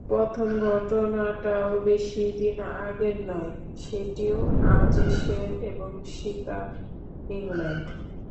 প্রথম ঘটনাটাও বেশি দিন আগের নয়, সেটিও অ্যাশেজের এবং শিকার ইংল্যান্ড।